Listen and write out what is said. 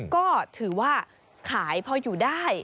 ก็ถือว่าขายพออยู่ได้